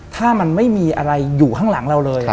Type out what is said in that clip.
ถ้ามันไม่มีอะไรอยู่ข้างหลังเราเลย